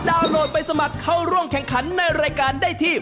โหลดไปสมัครเข้าร่วมแข่งขันในรายการได้ที่